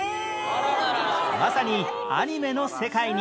まさにアニメの世界に